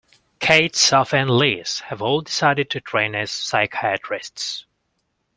Kate, Sophie and Liz have all decided to train as psychiatrists.